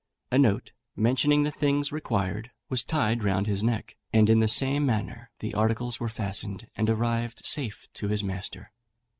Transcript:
A note, mentioning the things required, was tied round his neck, and in the same manner the articles were fastened, and arrived safe to his master.